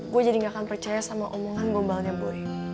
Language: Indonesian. gue jadi gak akan percaya sama omongan gombalnya boy